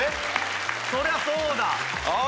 そりゃそうだ。